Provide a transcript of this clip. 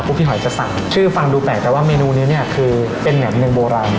พี่หอยจะสั่งชื่อฟังดูแปลกแต่ว่าเมนูนี้เนี่ยคือเป็นแหนมเนืองโบราณ